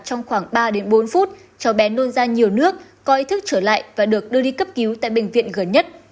trong khoảng ba bốn phút cho bé nôn ra nhiều nước coi thức trở lại và được đưa đi cấp cứu tại bệnh viện gần nhất